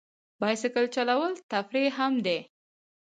بایسکل چلول تفریح هم دی.